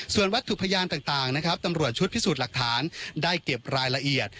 ส่วนวัตถุพยานต่างนะครับตำรวจชุดพิสูจน์หลักฐานได้เก็บรายละเอียด